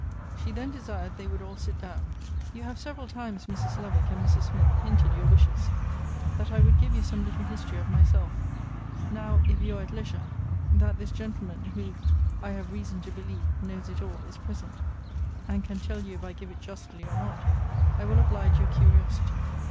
She then desired they would all sit down. You have several times, Mrs. Lovick and Mrs. Smith, hinted your wishes, that I would give you some little history of myself: now, if you are at leisure, that this gentleman, who, I have reason to believe, knows it all, is present, and can tell you if I give it justly, or not, I will oblige your curiosity.